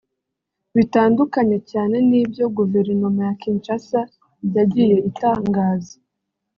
bitandukanye cyane n’ibyo Guverinoma ya Kinshasa yagiye itangaza